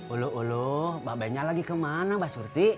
ulu ulu mbak benya lagi kemana mbak surti